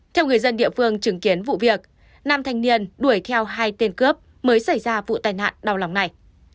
theo người dân địa phương chứng kiến vụ việc năm thanh niên đuổi theo hai tên cướp mới xảy ra vụ tai nạn đau lòng này